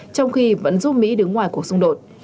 trong khi vẫn giúp mỹ đứng ngoài cuộc xung đột